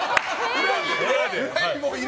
裏で。